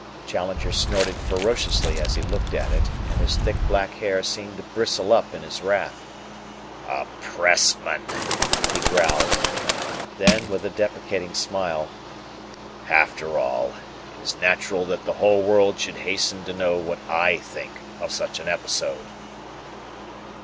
Challenger snorted ferociously as he looked at it, and his thick black hair seemed to bristle up in his wrath. "A pressman!" he growled. Then with a deprecating smile: "After all, it is natural that the whole world should hasten to know what I think of such an episode."